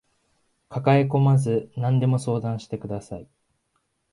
抱えこまず何でも相談してください